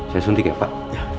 saya suntik ya pak